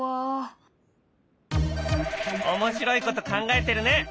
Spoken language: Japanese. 面白いこと考えてるね！